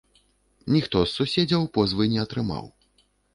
Ніхто з суседзяў позвы не атрымаў.